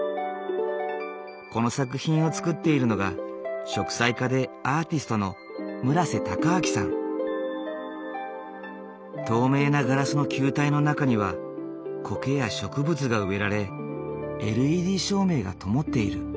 この作品を作っているのが透明なガラスの球体の中にはコケや植物が植えられＬＥＤ照明がともっている。